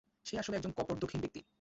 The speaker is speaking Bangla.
সে আসলে একজন কপর্দকহীন ব্যক্তি।